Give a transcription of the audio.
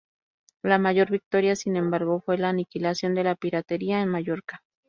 La mayor victoria, sin embargo, fue la aniquilación de la piratería en Mallorca.